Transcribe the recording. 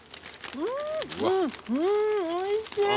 うんおいしい。